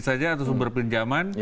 saja atau sumber pinjaman ya utang